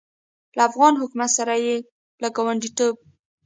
له افغان حکومت سره یې له ګاونډیتوب